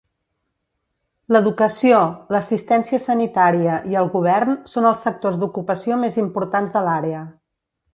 L'educació, l'assistència sanitària i el govern són els sectors d'ocupació més importants de l'àrea.